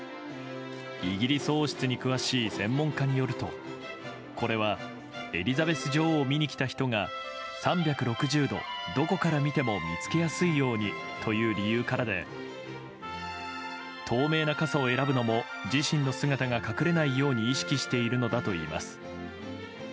イギリス王室に詳しい専門家によるとこれはエリザベス女王を見に来た人が３６０度どこから見ても見つけやすいようにという理由からで透明な傘を選ぶのも自身の姿が隠れないように意識しているのだといいます。